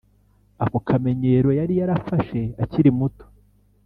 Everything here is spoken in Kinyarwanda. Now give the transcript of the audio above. ako kamenyero yari yarafashe akiri muto,